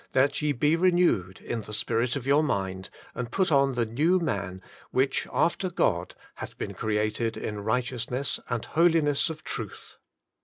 . that ye be renewed in the spirit of your mind, and put on the new man, which after God hath been created in righteousness and holiness of truth."